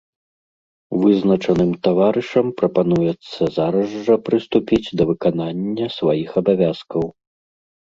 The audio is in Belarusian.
Вызначаным таварышам прапануецца зараз жа прыступіць да выканання сваіх абавязкаў.